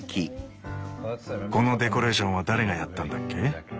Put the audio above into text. このデコレーションは誰がやったんだっけ？